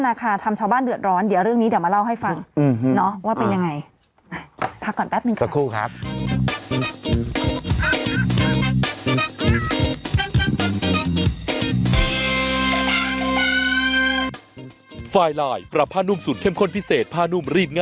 นั่นแหละตรงจุดนั้นครับก็คือมันมี๓๔ช่วง